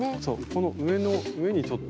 この上の上にちょっと。